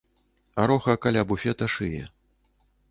Роха каля буфета шые.